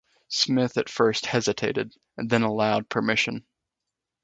Smith at first hesitated, and then allowed permission.